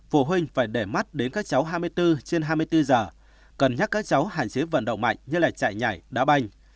phụ huynh phải để mắt đến các cháu hai mươi bốn trên hai mươi bốn giờ cần nhắc các cháu hành xế vận động mạnh như là chạy nhảy đá banh